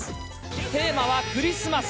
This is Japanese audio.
テーマはクリスマス。